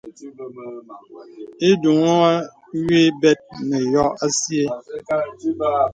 Ìdùŋùhə wì bɛt nə yô asìɛ.